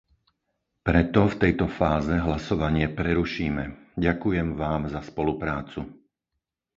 Preto v tejto fáze hlasovanie prerušíme. Ďakujem vám za spoluprácu.